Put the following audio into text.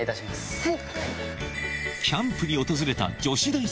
はい。